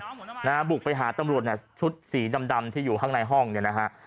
นะฮะบุกไปหาตำรวจเนี่ยชุดสีดำดำที่อยู่ข้างในห้องเนี่ยนะฮะ